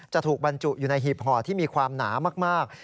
ถูกบรรจุอยู่ในหีบห่อที่มีความหนามาก